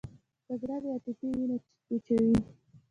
جګړه د عاطفې وینه وچوي